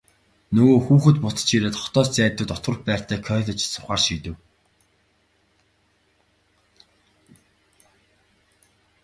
Нөгөө хүүхэд буцаж ирээд хотоос зайдуу дотуур байртай коллежид сурахаар шийдэв.